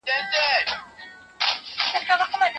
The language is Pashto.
که مشورې وسي نو کورنی ژوند به ښه سي.